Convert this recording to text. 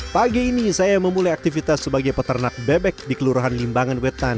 pagi ini saya memulai aktivitas sebagai peternak bebek di kelurahan limbangan wetan